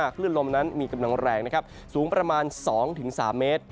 คลื่นลมนั้นมีกำลังแรงสูงประมาณ๒๓เมตร